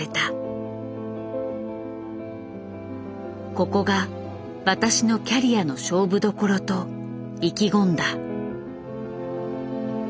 ここが私のキャリアの勝負どころと意気込んだ。